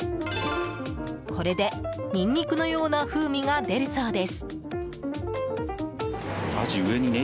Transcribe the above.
これでニンニクのような風味が出るそうです。